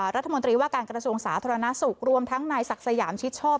รัฐมนตรีว่าการกระทรวงสาธารณสุขรวมทั้งนายศักดิ์สยามชิดชอบ